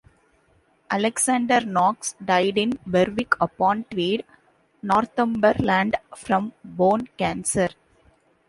Alexander Knox died in Berwick-upon-Tweed, Northumberland from bone cancer.